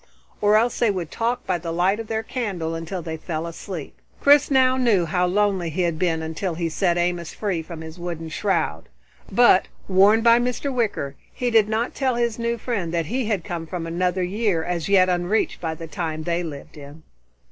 Or else they would talk by the light of their candle until they fell asleep. Chris now knew how lonely he had been until he set Amos free from his wooden shroud, but, warned by Mr. Wicker, he did not tell his new friend that he came from another year as yet unreached by the time they lived in.